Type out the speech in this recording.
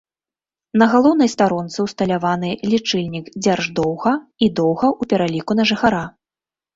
На галоўнай старонцы ўсталяваны лічыльнік дзярждоўга і доўга ў пераліку на жыхара.